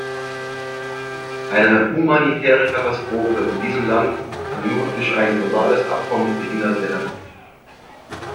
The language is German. Eine humanitäre Katastrophe in diesem Land kann nur durch ein globales Abkommen verhindert werden.